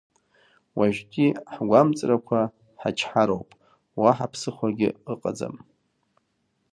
Уажәтәи ҳгәамҵрақәа ҳачҳароуп, уаҳа ԥсыхәагьы ыҟаӡам.